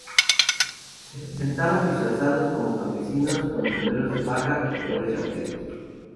Se presentaban disfrazados como campesinos, con sombreros de paja y colores llamativos.